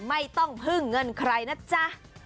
ไม่ต้องพึ่งเงินใครนะจ๊ะ